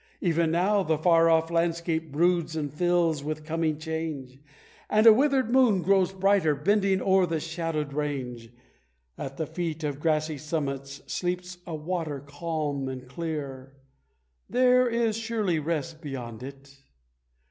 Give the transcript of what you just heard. Even now the far off landscape broods and fills with coming change, And a withered moon grows brighter bending o'er that shadowed range; At the feet of grassy summits sleeps a water calm and clear There is surely rest beyond it!